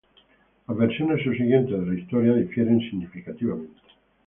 Las versiones subsiguientes de la historia difieren significativamente.